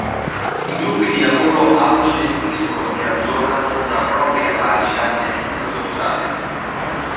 I gruppi di lavoro auto-gestiscono e aggiornano una propria pagina nel sito sociale.